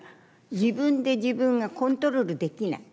自分で自分がコントロールできない。